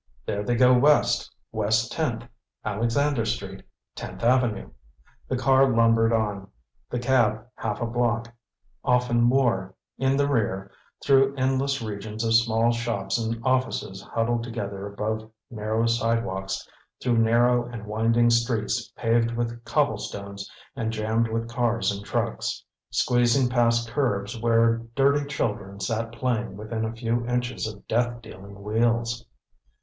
"There they go west; west Tenth, Alexander Street, Tenth Avenue " The car lumbered on, the cab half a block, often more, in the rear, through endless regions of small shops and offices huddled together above narrow sidewalks, through narrow and winding streets paved with cobblestones and jammed with cars and trucks, squeezing past curbs where dirty children sat playing within a few inches of death dealing wheels.